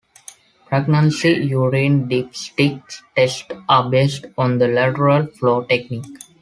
Pregnancy urine dipstick tests are based on the lateral flow technique.